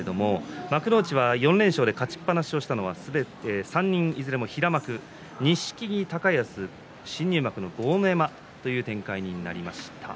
幕内は４連勝で勝ちっぱなしは３人いずれも平幕、錦木、高安新入幕の豪ノ山という展開になりました。